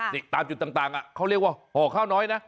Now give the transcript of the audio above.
นี่ตามจุดต่างเขาเรียกว่าห่อข้าวน้อยนะ